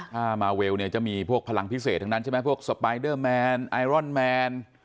ถ้ามาเวลเนี่ยจะมีพวกพลังพิเศษทั้งนั้นใช่ไหมพวกสปายเดอร์แมนไอรอนแมน